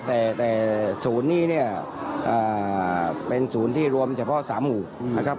แต่ศูนย์นี้เนี่ยเป็นศูนย์ที่รวมเฉพาะ๓หมู่นะครับ